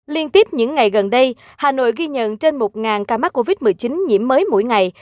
liên tiếp những ngày gần đây hà nội ghi nhận trên một ca mắc covid một mươi chín nhiễm mới mỗi ngày